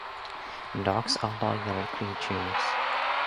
Dogs are loyal creatures.